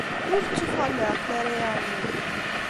Ur d tuffɣa n leɛqel ara iɛawnen.